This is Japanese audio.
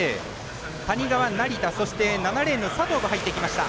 谷川、成田、そして７レーンの佐藤が入ってきました。